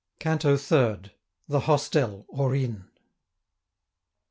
CANTO THIRD. THE HOSTEL, OR INN.